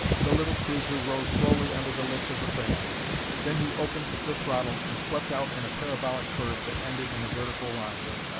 The little cruiser rose slowly under the lift of the fans; then he opened the throttle and swept out in a parabolic curve that ended in a vertical line.